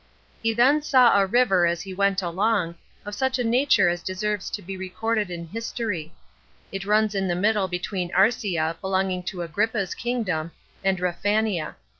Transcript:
He then saw a river as he went along, of such a nature as deserves to be recorded in history; it runs in the middle between Arcea, belonging to Agrippa's kingdom, and Raphanea.